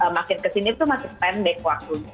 makin kesini tuh masih pendek waktu